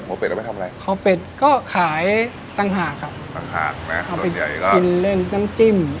หัวเป็ดเราไปทำอะไรขอเบ็ดก็ขายตังหากครับตังหากนะเอาไปกินเล่นน้ำจิ้ม